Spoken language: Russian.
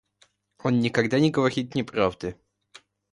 Он никогда не говорит неправды.